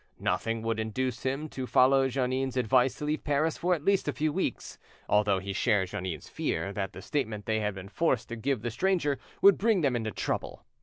Nothing would induce him to follow Jeannin's advice to leave Paris for at least a few weeks, although he shared Jeannin's fear that the statement they had been forced to give the stranger would bring them into trouble.